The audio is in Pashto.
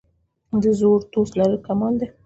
د زوړ دوست لرل کمال دی.